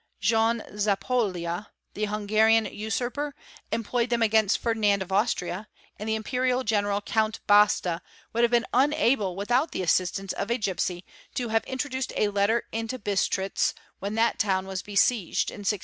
Jean Zapolya, the Hungarian usurper, employed them against Ferdinand of Austria, and the Impet ia General Count Basta would have been unable without the assistance ¢| a gipsy to have introduced a letter into Bistritz when that town we beseiged in 1602.